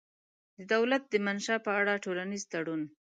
د دولت د منشا په اړه ټولنیز تړون